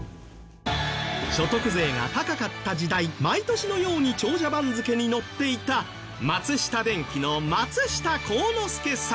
所得税が高かった時代毎年のように長者番付に載っていた松下電器の松下幸之助さん。